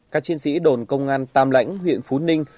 các chiến sĩ đồn công an tam lãnh huyện phú ninh